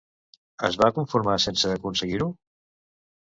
Es va conformar sense aconseguir-ho?